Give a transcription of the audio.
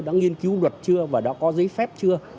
đã nghiên cứu luật chưa và đã có giấy phép chưa